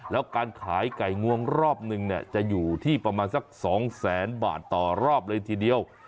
แล้วการขายไก่งวงรอบนึงเนี่ยจะอยู่ที่ประมาณสัก๒แสนบาทต่อรอบเลยทีเดียว